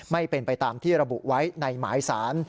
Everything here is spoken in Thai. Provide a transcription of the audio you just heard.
ไม่เป็นไปตามที่ระบุไว้ในหมายสาร